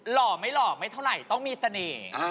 หล่อไม่หล่อไม่เท่าไหร่ต้องมีเสน่ห์